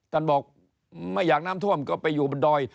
ท่านบอกไม่อยากน้ำท่วมก็ไปอยู่บนดอย